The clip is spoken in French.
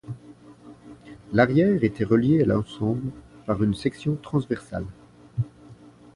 L'arrière était relié à l'ensemble par une section transversale.